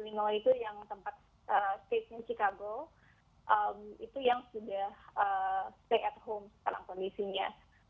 lima itu yang tempat state nya chicago itu yang sudah stay at home sekarang kondisinya